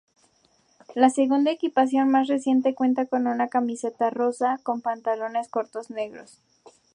La segunda equipación más reciente cuenta con un camiseta rosa con pantalones cortos negros.